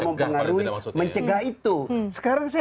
mempengaruhi mencegah itu sekarang saya